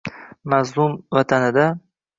Mazlum vatanida